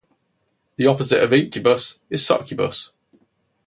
The opposite of "incubous" is succubous.